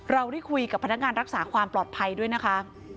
เราได้คุยกับพนักงานรักษาความปลอดภัยด้วยนะคะ